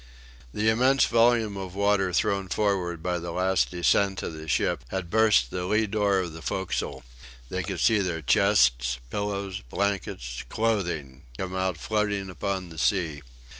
The immense volume of water thrown forward by the last scend of the ship had burst the lee door of the forecastle. They could see their chests, pillows, blankets, clothing, come out floating upon the sea.